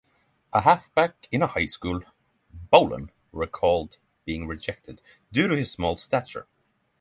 A halfback in high school, Boland recalled being rejected due to his small stature.